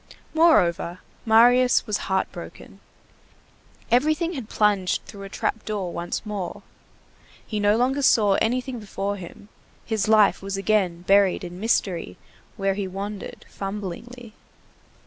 Moreover, Marius was heart broken. Everything had plunged through a trap door once more. He no longer saw anything before him; his life was again buried in mystery where he wandered fumblingly.